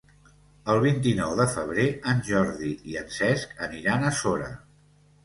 El vint-i-nou de febrer en Jordi i en Cesc aniran a Sora.